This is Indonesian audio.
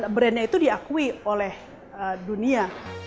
dan brand nya itu diakui oleh dunia